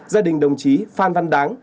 gia đình đồng chí phan văn đáng